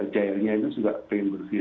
cairnya itu juga ingin bersih